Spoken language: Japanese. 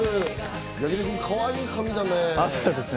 柳楽君、かわいい髪だね。